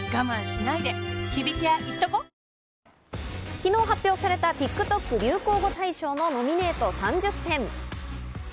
昨日発表されたＴｉｋＴｏｋ流行語大賞のノミネート３０選。